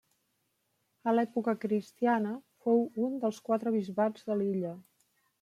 A l'època cristiana fou un dels quatre bisbats de l'illa.